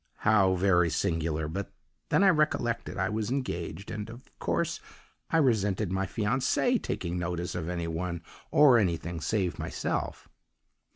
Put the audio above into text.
How very singular. But then I recollected I was 'engaged,' and, of course, I resented my fiancée taking notice of any one or anything save myself.